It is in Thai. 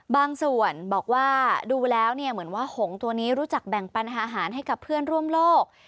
บางส่วนบอกว่าดูแล้วเนี่ยเหมือนว่าหงตัวนี้รู้จักแบ่งปันอาหารให้กับเพื่อนร่วมโลก